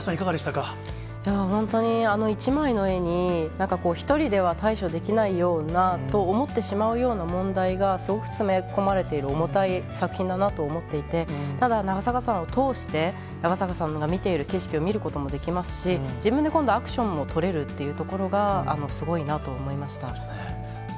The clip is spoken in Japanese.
本当に、あの１枚の絵に、なんかこう、１人では対処できないようなと思ってしまうような問題がすごく詰められている、重たい作品だなと思っていて、ただ、長坂さんを通して、長坂さんが見ている景色を見ることができますし、自分で今度、アクションもとれるっていうところが、すごいなと思いました。